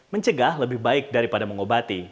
mencegah lebih baik daripada mengobati